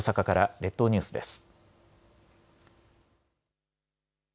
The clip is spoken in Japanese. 列島ニュースです。